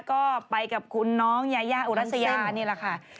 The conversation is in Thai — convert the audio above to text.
ก็ไปกับคุณน้องยายาอุรัสยานี่แหละค่ะ